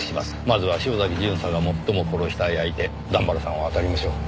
まずは潮崎巡査が最も殺したい相手段原さんを当たりましょう。